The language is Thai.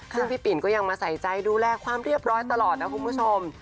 ซึ่งพี่ปิ่นก็ยังมาใส่ใจดูแลความเรียบร้อยตลอดนะคุณผู้ชม